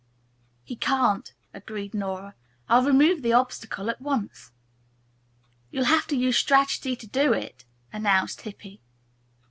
"He can't," agreed Nora. "I'll remove the obstacle at once." "You'll have to use strategy to do it," announced Hippy.